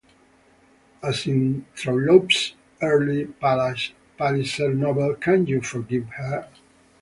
As in Trollope's earlier Palliser novel Can You Forgive Her?